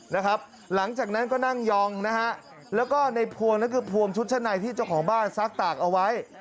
หลังจากนั้นก็นั่งยองนะฮะแล้วก็ในพวงนั้นคือพวงชุดชั้นในที่เจ้าของบ้านซักตากเอาไว้